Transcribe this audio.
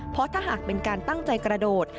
เพราะถ้าหากเป็นการตั้งใจกระโดด